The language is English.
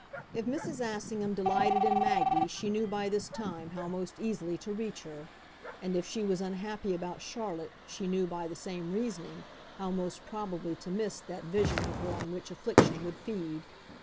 If Mrs. Assingham delighted in Maggie she knew by this time how most easily to reach her, and if she was unhappy about Charlotte she knew, by the same reasoning, how most probably to miss that vision of her on which affliction would feed.